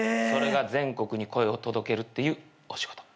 それが全国に声を届けるっていうお仕事。